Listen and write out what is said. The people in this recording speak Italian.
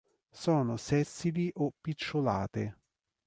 Sono sessili o picciolate.